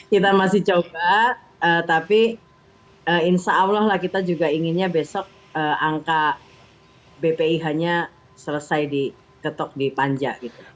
kita masih coba tapi insya allah lah kita juga inginnya besok angka bpih nya selesai diketok di panja gitu